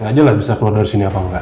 gak jelas bisa keluar dari sini apa enggak